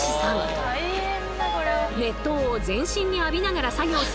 熱湯を全身に浴びながら熱いで。